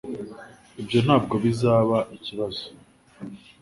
Ibyo ntabwo bizaba ikibazo